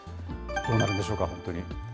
どうなるんでしょうか、本当に。